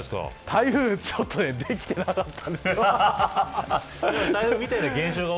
台風は、ちょっとできていなかったんですが。